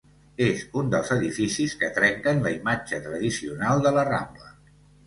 És un dels edificis que trenquen la imatge tradicional de la Rambla.